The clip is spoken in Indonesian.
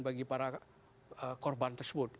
bagi para korban tersebut